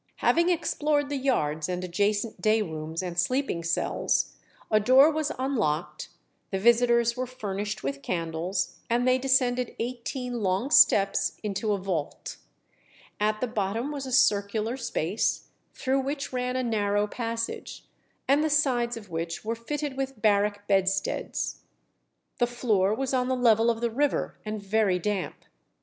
Having explored the yards and adjacent day rooms, and sleeping cells, a door was unlocked, the visitors were furnished with candles, and they descended eighteen long steps into a vault. At the bottom was a circular space, through which ran a narrow passage, and the sides of which were fitted with barrack bedsteads. The floor was on the level of the river, and very damp.